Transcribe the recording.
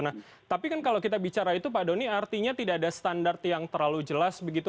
nah tapi kan kalau kita bicara itu pak doni artinya tidak ada standar yang terlalu jelas begitu